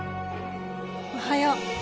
おはよう。